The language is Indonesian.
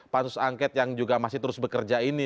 pak susangket yang juga masih terus bekerja ini